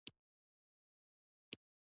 د کندهار په ارغستان کې د مرمرو نښې شته.